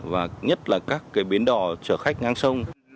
và nhất là các cái bến đò chở khách ngang sông